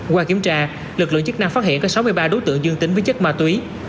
qua kiểm tra lực lượng chức năng phát hiện có sáu mươi ba đối tượng dương tính với chất ma túy